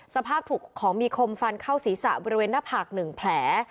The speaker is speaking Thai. สภาพถูกของมีคมฟันเข้าศีรษะบริเวณหน้าผาก๑แผล